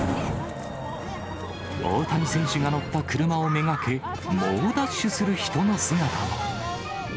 大谷選手が乗った車を目がけ、猛ダッシュする人の姿も。